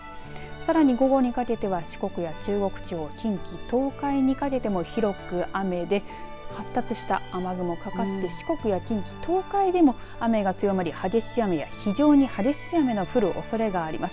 さらに午後にかけては四国や中国地方近畿、東海にかけても広く雨で発達した雨雲かかって四国や近畿、東海でも雨が強まり激しい雨や非常に激しい雨の降るおそれがあります。